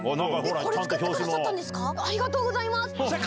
これ作ってくださったんですか？